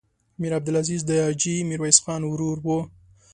میر عبدالعزیز د حاجي میرویس خان ورور و.